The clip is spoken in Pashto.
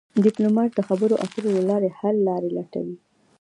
ډيپلومات د خبرو اترو له لارې حل لارې لټوي.